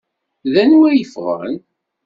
D anwa i yeffɣen?